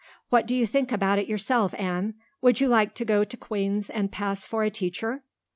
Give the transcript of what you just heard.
What do you think about it yourself, Anne? Would you like to go to Queen's and pass for a teacher?"